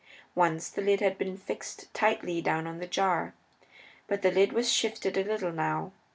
Once the lid had been fixed tightly down on the jar. But the lid was shifted a little now.